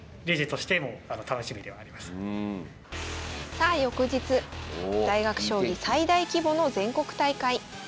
さあ翌日大学将棋最大規模の全国大会。